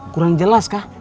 kurang jelas kah